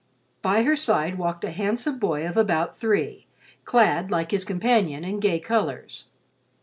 By her side walked a handsome boy of about three, clad, like his companion, in gay colors.